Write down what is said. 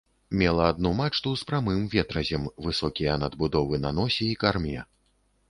Мела адну мачту з прамым ветразем, высокія надбудовы на носе і карме.